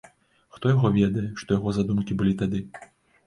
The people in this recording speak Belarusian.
Хто яго ведае, што ў яго за думкі былі тады.